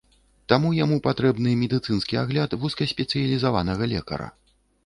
Таму яму патрэбны медыцынскі агляд вузкаспецыялізаванага лекара.